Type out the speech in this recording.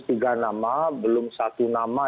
tiga nama belum satu nama